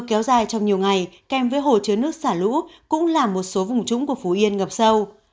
kéo dài trong nhiều ngày kèm với hồ chứa nước xả lũ cũng làm một số vùng trũng của phú yên ngập sâu